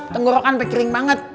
tenggorokan pikirin banget